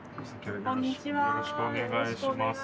よろしくお願いします。